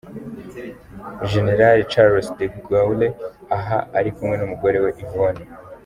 Général Charles De Gaulle, aha ari kumwe n’umugore we Yvone.